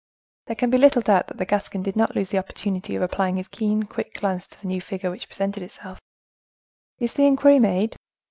There can be little doubt that the Gascon did not lose the opportunity of applying his keen, quick glance to the new figure which presented itself. "Is the inquiry made?"